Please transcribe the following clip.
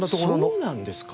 そうなんですか。